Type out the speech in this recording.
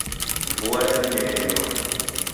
Vua yanyee enona.